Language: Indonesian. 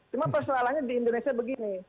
cuma persoalannya di indonesia begini